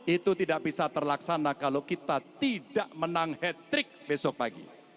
itu tidak bisa terlaksana kalau kita tidak menang hat trick besok pagi